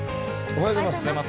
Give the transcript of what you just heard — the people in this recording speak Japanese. おはようございます。